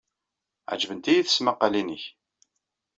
Ɛejbent-iyi tesmaqqalin-nnek.